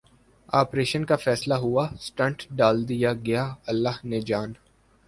operation کا فیصلہ ہوا سٹنٹ ڈال دیا گیا اللہ نے جان